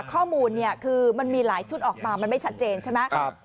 ข้อมูลเนี่ยคือมันมีหลายชุดออกมามันไม่ชัดเจนใช่ไหม